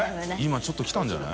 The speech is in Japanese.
ちょっときたんじゃない？